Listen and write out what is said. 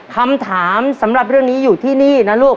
คำถามสำหรับเรื่องนี้อยู่ที่นี่นะลูก